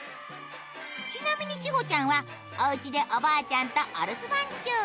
ちなみに千穂ちゃんはおうちでおばあちゃんとお留守番中。